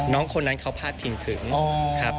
น้องคนนั้นเขาพาดพิงถึงครับ